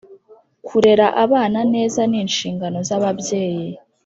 kurera abana neza ni inshingano zababyeyi